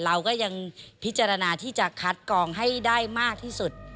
เราก็ยังพิจารณาที่จะคัดกองให้ได้มากที่สุด